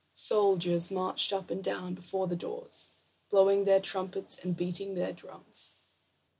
Soldiers marched up and down before the doors, blowing their trumpets and beating their drums.